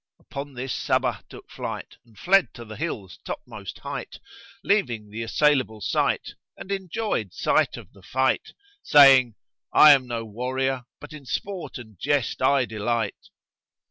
Upon this Sabbah took flight, and fled to the hill's topmost height, leaving the assailable site, and enjoyed sight of the fight, saying, "I am no warrior; but in sport and jest I delight."